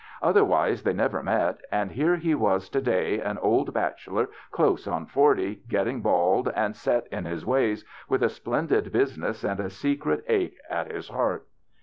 Otherwise they never met, and here he was to day, an old bachelor close on forty, getting bald and set in his ways, with a splendid business and a secret ache at his heart.